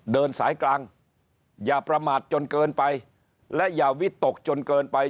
เดินสายกลางอย่าประมาทจนเกินไปและอย่าวิตกจนเกินไป